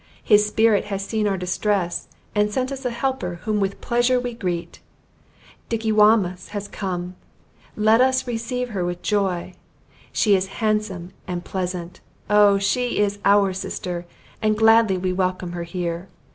His spirit has seen our distress, and sent us a helper whom with pleasure we greet. Dickewamis has come: then let us receive her with joy! She is handsome and pleasant! Oh! she is our sister, and gladly we welcome her here.